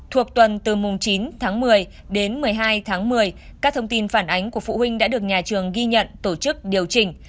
thuộc tuần từ mùng chín tháng một mươi đến một mươi hai tháng một mươi các thông tin phản ánh của phụ huynh đã được nhà trường ghi nhận tổ chức điều chỉnh